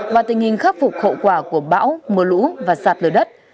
và tình hình khắc phục khẩu quả của bão mưa lũ và xa lở đất